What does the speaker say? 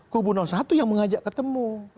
kubu satu yang mengajak ketemu